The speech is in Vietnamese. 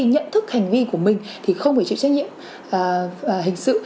nhận thức hành vi của mình thì không phải chịu trách nhiệm hình sự